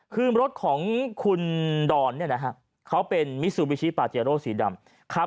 คือรถของคุณดอนเขาเป็นมิซูบิชิปาเจโร่สีดำ